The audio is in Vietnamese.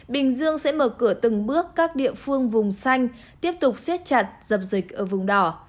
bình dương sẽ mở cửa từng bước các địa phương vùng xanh tiếp tục siết chặt dập dịch ở vùng đỏ